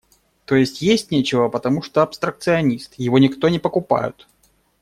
То есть, есть нечего, потому что – абстракционист, его никто не покупают.